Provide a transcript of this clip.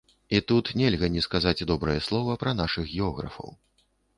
І тут нельга не сказаць добрае слова пра нашых географаў.